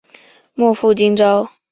莫负今朝！